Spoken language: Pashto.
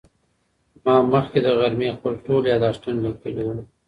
ما مخکې له غرمې خپل ټول یادښتونه لیکلي وو.